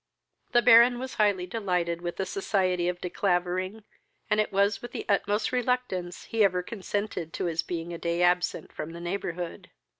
The Baron was highly delighted with the society of De Clavering, and it was with the utmost reluctance he ever consented to his being a day absent from the neighborhood.